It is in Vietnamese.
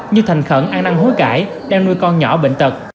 như thành khẩn an năng hối cải đang nuôi con nhỏ bệnh tật